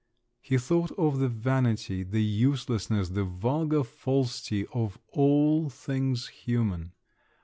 He thought of the vanity, the uselessness, the vulgar falsity of all things human.